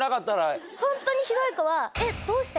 ホントにひどい子は。